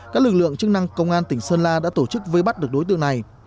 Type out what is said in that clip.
các lực lượng chức năng công an tỉnh sơn la đã tổ chức vây bắt được đối tượng này